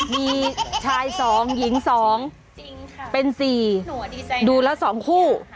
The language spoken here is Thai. มีชาย๒หญิง๒เป็น๔ดูแล้ว๒คู่